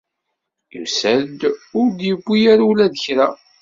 Yusa-d ur d-yewwi ara ula d kra.